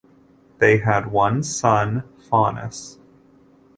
They had one son, Faunus.